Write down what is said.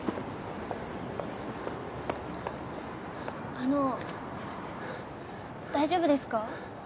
あの大丈夫ですか？